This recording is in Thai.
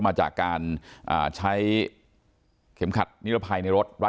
จน๘โมงเช้าวันนี้ตำรวจโทรมาแจ้งว่าพบเป็นศพเสียชีวิตแล้ว